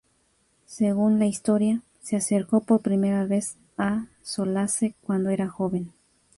Según la historia, se acercó por primera vez a Solace cuando era joven.